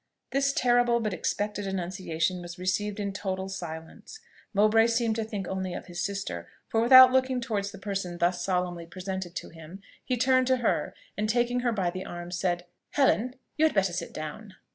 This terrible but expected annunciation was received in total silence. Mowbray seemed to think only of his sister; for without looking towards the person thus solemnly presented to him, he turned to her, and taking her by the arm, said, "Helen! you had better sit down."